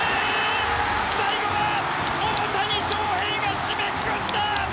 最後は大谷翔平が締めくくった！